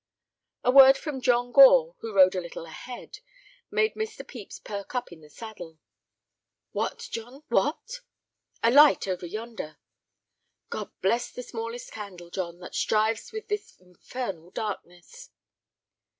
A word from John Gore, who rode a little ahead, made Mr. Pepys perk up in the saddle. "What—John—what?" "A light over yonder." "God bless the smallest candle, John, that strives with this infernal darkness."